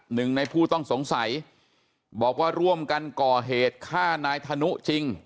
หนึ่งในผู้ต้องสงสัยบอกว่าร่วมกันก่อเหตุฆ่านายธนุจริง